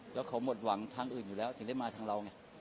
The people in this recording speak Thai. แล้วเขาหมดหวังทางอื่นอยู่แล้วถึงได้มาทางเราไง